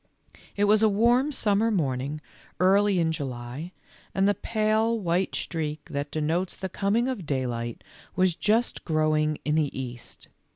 It was a warm summer morning early in July, and the pale white streak that denotes the coming of daylight was just growing in the East.